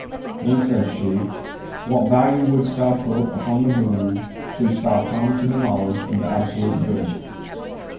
Then said she: 'What value wouldst thou put upon the boon shouldst thou come to the knowledge of the absolute good?'